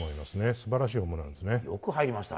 素晴らしいホームランです。